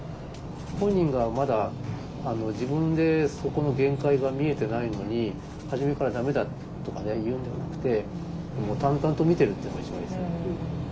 本人がまだ自分でそこの限界が見えてないのに初めから「駄目だ」とか言うんではなくてもう淡々と見てるっていうのが一番いいですね。